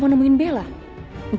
wah kalau mau clarity tau